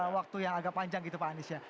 waktu yang agak panjang gitu pak anies ya